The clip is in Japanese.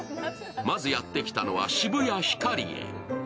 まずやってきたのは、渋谷ヒカリエ。